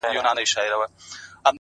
دوى ما اوتا نه غواړي ـ